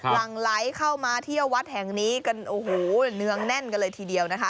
หลังไหลเข้ามาเที่ยววัดแห่งนี้กันโอ้โหเนืองแน่นกันเลยทีเดียวนะคะ